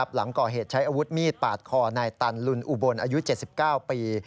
หลังก่อเหตุใช้อาวุธมีดปาดคอนายตันลุนอุบลอายุ๗๙ปี